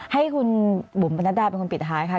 ให้คุณบุ๋มบัณฑาเป็นคนผิดหายค่ะ